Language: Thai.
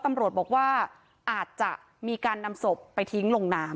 ตำรวจบอกว่าอาจจะมีการนำศพไปทิ้งลงน้ำ